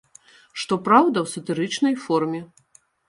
Што праўда, у сатырычнай форме.